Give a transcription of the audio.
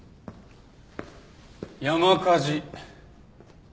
山火事。